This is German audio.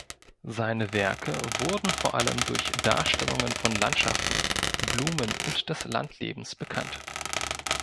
Seine Werke wurden vor allem durch Darstellungen von Landschaften, Blumen und des Landlebens bekannt.